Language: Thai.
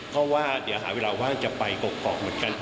เพราะว่าเดี๋ยวหาเวลาว่างจะไปกรอกเหมือนกัน